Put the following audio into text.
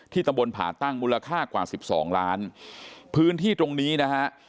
ตำบลผ่าตั้งมูลค่ากว่าสิบสองล้านพื้นที่ตรงนี้นะฮะ